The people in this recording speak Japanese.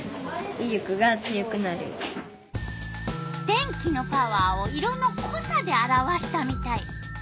電気のパワーを色のこさで表したみたい。